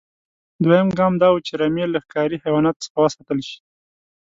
دویم ګام دا و چې رمې له ښکاري حیواناتو څخه وساتل شي.